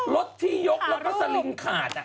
รถที่ยกแล้วก็สลิงขาด